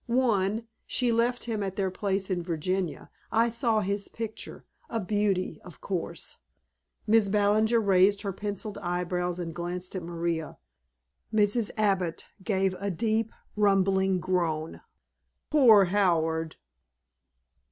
"One. She left him at their place in Virginia. I saw his picture. A beauty, of course." Mrs. Ballinger raised her pencilled eyebrows and glanced at Maria. Mrs. Abbott gave a deep rumbling groan. "Poor Howard!"